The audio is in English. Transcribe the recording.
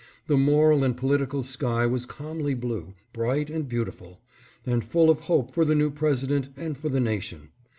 The moral and political sky was calmly blue, bright and beautiful, and full of hope for the new President and for the nation.